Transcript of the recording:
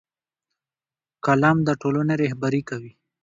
قلم د ټولنې رهبري کوي